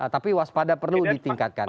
tapi waspada perlu ditingkatkan